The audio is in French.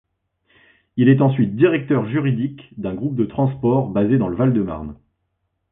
Il est ensuite directeur juridique d'un groupe de transport basé dans le Val-de-Marne.